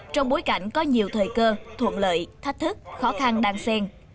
trong bối cảnh có nhiều thời cơ thuận lợi thách thức khó khăn đang sen